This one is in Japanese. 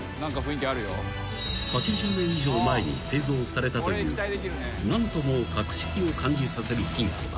［８０年以上前に製造されたという何とも格式を感じさせる金庫だ］